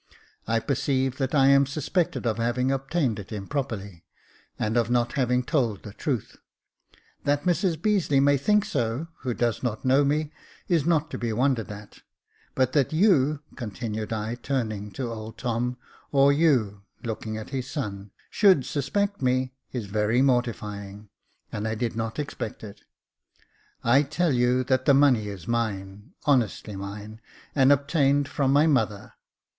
I perceive that I am suspected of having obtained it improperly, and of not having told the truth. That Mrs Beazeley may think so, who does 320 Jacob Faithful not know me, is not to be wondered at ; but that you," continued I, turning to old Tom, "or you," looking at his son, " should suspect me, is very mortifying ; and I did not expect it. I tell you that the money is mine, honestly mine, and obtained from my mother.